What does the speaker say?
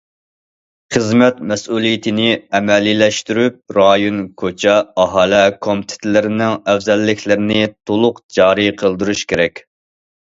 خىزمەت مەسئۇلىيىتىنى ئەمەلىيلەشتۈرۈپ، رايون، كوچا، ئاھالە كومىتېتلىرىنىڭ ئەۋزەللىكلىرىنى تولۇق جارى قىلدۇرۇش كېرەك.